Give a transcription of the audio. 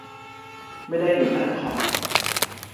ไม่ได้อยู่หน้าคอม